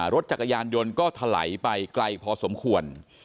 รถจักรยานยนต์ก็ถลายไปไกลพอสมควร